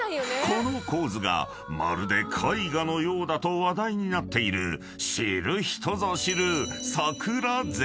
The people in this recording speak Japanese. ［この構図がまるで絵画のようだと話題になっている知る人ぞ知る桜絶景］